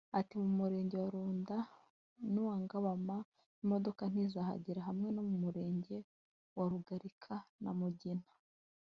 Ati « Mu murenge wa Runda n’uwa Ngabama imodoka ntizihagera hamwe no mu murenge wa Rugarika na Mugina